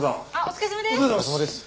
お疲れさまです。